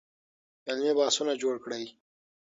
علمي بحثونه جوړ کړئ.